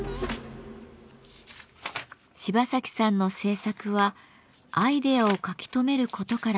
芝崎さんの制作はアイデアを書き留めることから始まります。